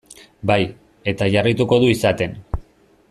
Bai, eta jarraituko du izaten.